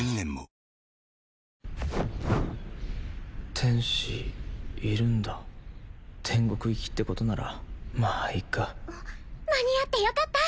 天使いるんだ天国逝きってことならまあいっか間に合ってよかった